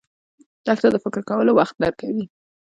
دښته د فکر کولو وخت درکوي.